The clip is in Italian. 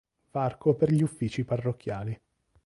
Varco per gli uffici parrocchiali.